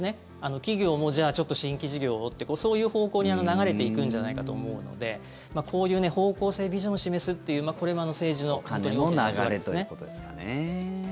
企業も、じゃあ新規事業をってそういう方向に流れていくんじゃないかと思うのでこういう方向性ビジョンを示すっていうこれも政治の大きな役割ですね。